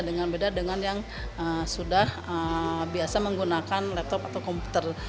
dengan beda dengan yang sudah biasa menggunakan laptop atau komputer